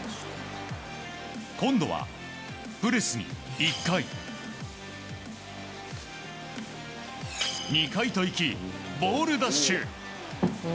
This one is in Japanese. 今度はプレスに１回、２回といきボール奪取。